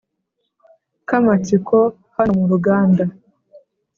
kamatsiko hano muruganda